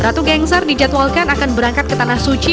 ratu gengsar dijadwalkan akan berangkat ke tanah suci